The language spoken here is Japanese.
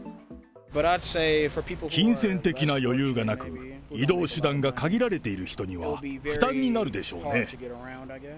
金銭的な余裕がなく、移動手段が限られている人には、負担になるでしょうね。